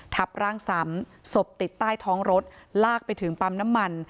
ทับร่างซ้ำศพติดใต้ท้องรถลากไปถึงปั๊มน้ำมัน